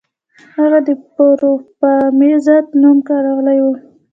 هغه د پاروپامیزاد نوم کارولی و